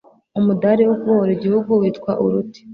umudari wo kubohora igihugu witwa uruti